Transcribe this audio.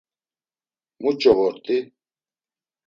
Muç̌o vort̆i?